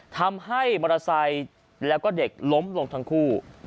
ทำให้มอเตอร์ไซค์แล้วก็เด็กล้มลงทั้งคู่